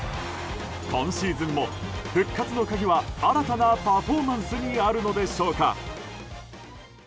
今シーズンも、復活の鍵は新たなパフォーマンスにあるのでしょうか。